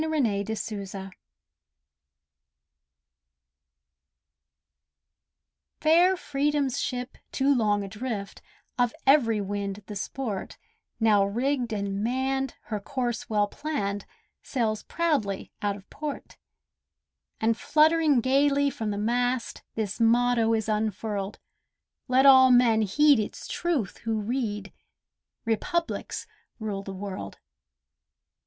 A SONG OF REPUBLICS Fair Freedom's ship, too long adrift— Of every wind the sport— Now rigged and manned, her course well planned, Sails proudly out of port; And fluttering gaily from the mast This motto is unfurled, Let all men heed its truth who read: "Republics rule the World!"